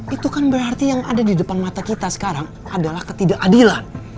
itu kan berarti yang ada di depan mata kita sekarang adalah ketidakadilan